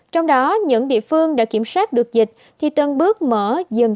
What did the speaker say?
trong đó những địa phương đã kiểm soát được dịch thì tần bước mở dừng